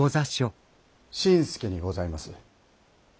新典侍にございます。